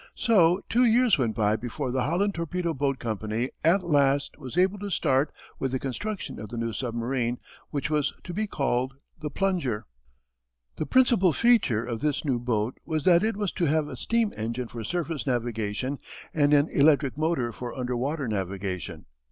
So two years went by before the Holland Torpedo Boat Company at last was able to start with the construction of the new submarine which was to be called the Plunger. The principal feature of this new boat was that it was to have a steam engine for surface navigation and an electric motor for underwater navigation.